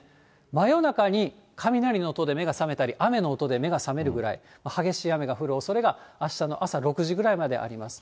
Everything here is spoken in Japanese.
真夜中に、雷の音で目が覚めたり、雨の音で目が覚めるぐらい、激しい雨が降るおそれが、あしたの朝６時ぐらいまであります。